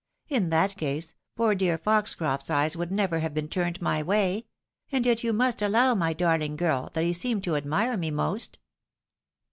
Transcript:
In that case, poor dear Foxoroft's eyes would never have been turned my way; and yet you must allow, my darhng girl, that he seemed to admire me most